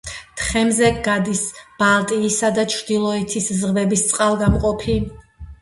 თხემზე გადის ბალტიისა და ჩრდილოეთის ზღვების წყალგამყოფი.